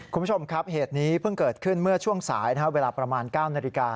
คุณผู้ชมครับเหตุนี้เพิ่งเกิดขึ้นเมื่อช่วงสายเวลาประมาณ๙นาฬิกา